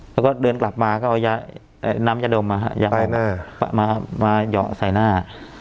แล้วก็เดินกลับมาก็เอาน้ำยาดมยามาเหยาะใส่หน้า